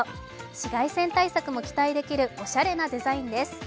紫外線対策も期待できるおしゃれなデザインです。